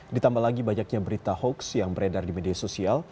ditambah lagi banyaknya berita hoax yang beredar di media sosial